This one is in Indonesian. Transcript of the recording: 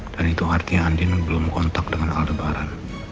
dan itu artinya andin belum kontak dengan aldebaran